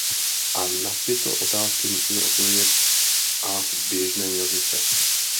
A na tyto otázky musíme odpovědět a v běžném jazyce.